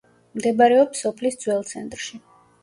მდებარეობს სოფლის ძველ ცენტრში.